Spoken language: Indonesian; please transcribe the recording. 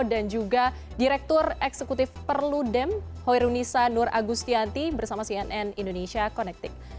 juga direktur eksekutif perludem hoirunisa nur agustianti bersama cnn indonesia connected